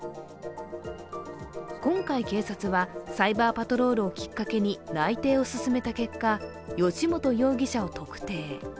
今回、警察はサイバーパトロールをきっかけに内偵を進めた結果、由元容疑者を特定。